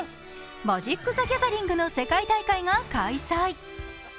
マジック：ザ・ギャザリングの世界大会が開催。